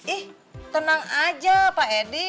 ih tenang aja pak edi